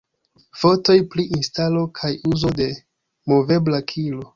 Fotoj pri instalo kaj uzo de "movebla kilo"